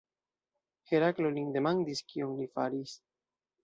Heraklo lin demandis kion li faris.